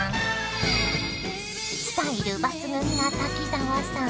スタイル抜群な滝沢さん。